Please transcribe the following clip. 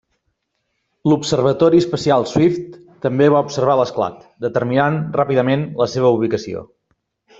L'observatori espacial Swift també va observar l'esclat, determinant ràpidament la seva ubicació.